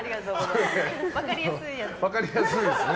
分かりやすいですね。